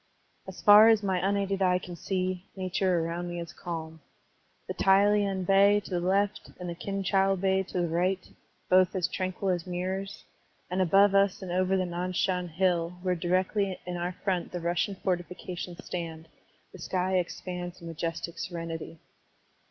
As far as my imaided eye can see, nature around me is calm. The Tai lien Bay to the left and the Kin chou Bay to the right, both as tranquil as mirrors, and above us and over the Nan Shan Hill, where directly in our front the Russian fortifications stand, the sky expands in majestic serenity.